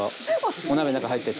お鍋の中入ってて。